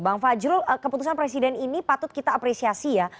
bang fajrul keputusan presiden ini patut kita apresiasi ya